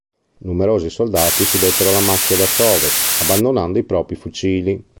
Numerosi soldati si dettero alla macchia verso ovest, abbandonando i propri fucili.